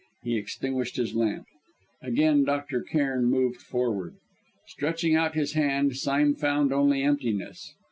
He extinguished his lamp. Again Dr. Cairn moved forward. Stretching out his hand, Sime found only emptiness.